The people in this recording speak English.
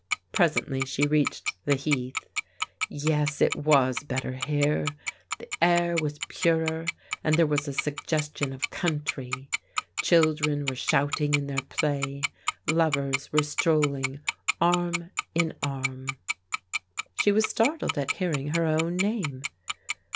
Presently she reached the Heath. Yes, it was better here. The air was purer, and there was a suggestion of country. Children were shouting in their play, lovers were strolling, arm in arm. She was startled at hearing her own name.